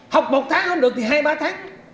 học một tháng không được thì hai ba tháng